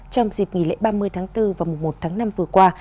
trong dịp nghỉ lễ ba mươi tháng bốn và mùa một tháng năm vừa qua